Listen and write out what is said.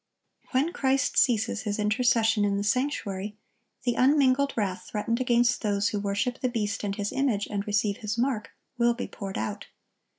When Christ ceases His intercession in the sanctuary, the unmingled wrath threatened against those who worship the beast and his image and receive his mark,(1074) will be poured out.